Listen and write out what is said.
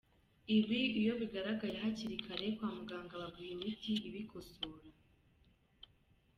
Ibi iyo bigaragaye hakiri kare, kwa muganga baguha imiti ibikosora.